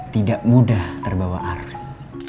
tidak mudah terbawa ars